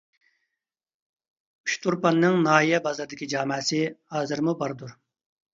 ئۇچتۇرپاننىڭ ناھىيە بازىرىدىكى جامەسى ھازىرمۇ باردۇر.